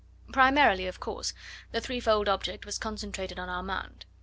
Primarily, of course, the threefold object was concentrated on Armand.